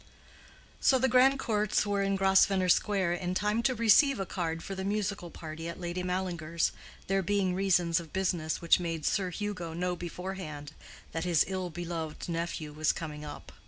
So the Grandcourts were in Grosvenor Square in time to receive a card for the musical party at Lady Mallinger's, there being reasons of business which made Sir Hugo know beforehand that his ill beloved nephew was coming up.